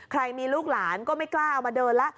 ใครมีลูกหลานก็ไม่กล้าเอามาเดินแล้ว